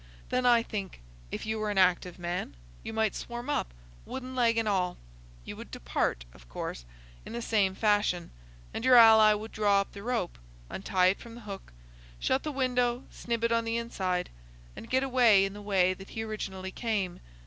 Then, I think, if you were an active man, You might swarm up, wooden leg and all. You would depart, of course, in the same fashion, and your ally would draw up the rope, untie it from the hook, shut the window, snib it on the inside, and get away in the way that he originally came.